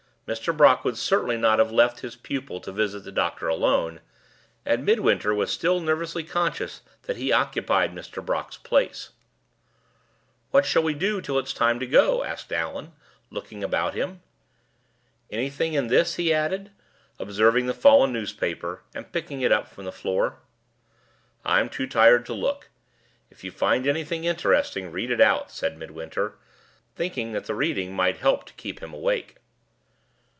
Mr. Brock would certainly not have left his pupil to visit the doctor alone; and Midwinter was still nervously conscious that he occupied Mr. Brock's place. "What shall we do till it's time to go?" asked Allan, looking about him. "Anything in this?" he added, observing the fallen newspaper, and picking it up from the floor. "I'm too tired to look. If you find anything interesting, read it out," said Midwinter, thinking that the reading might help to keep him awake.